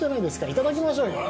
いただきましょうよ。